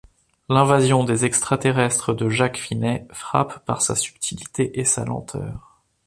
L'invasion des extra-terrestres de Jack Finney frappe par sa subtilité et sa lenteur.